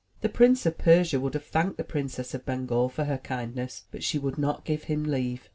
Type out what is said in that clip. The Prince of Persia would have thanked the Princess of Bengal for her kindness, but she would not give him leave.